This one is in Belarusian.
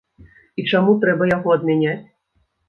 І чаму трэба яго адмяняць?